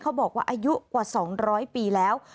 บอกว่าอายุกว่า๒๐๐ปีแล้ว